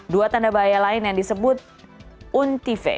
dua tanda bahaya lain yang disebut untive